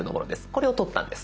これを撮ったんです。